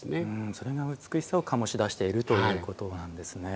それが美しさを醸し出しているということなんですね。